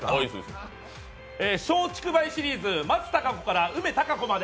松竹梅シリーズ、松たか子から梅たか子まで。